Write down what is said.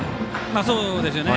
そうですよね。